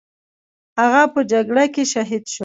هغه په جګړه کې شهید شو.